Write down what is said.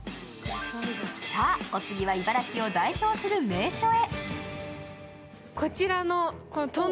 さあ、お次は茨城を代表する名所へ。